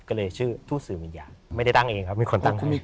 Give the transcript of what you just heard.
ก็เลยชื่อทูตสื่อวิญญาณไม่ได้ตั้งเองครับมีคนตั้งชื่อ